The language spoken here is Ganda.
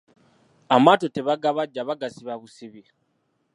Amaato tebagabajja bagasiba busibi.